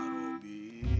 ya ampun ya robi